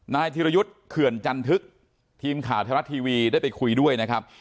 ธิรยุทธ์เขื่อนจันทึกทีมข่าวไทยรัฐทีวีได้ไปคุยด้วยนะครับ